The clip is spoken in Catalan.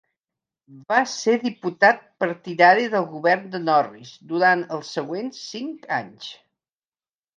Va ser diputat partidari del govern de Norris durant els següents cinc anys.